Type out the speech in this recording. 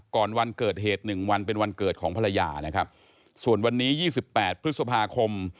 ก่อนวันเกิดเหตุหนึ่งวันเป็นวันเกิดของภรรยานะครับส่วนวันนี้ยี่สิบแปดพฤษภาคม